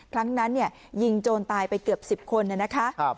ครั้งนั้นยิงโจรตายไปเกือบ๑๐คนนะคะ